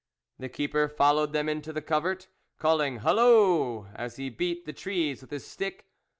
The keeper followed them into the covert, calling halloo as he beat the trees with his stick.